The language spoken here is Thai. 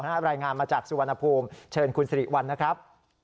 รายงานมาจากสุวรรณภูมิเชิญคุณสิริวัลนะครับ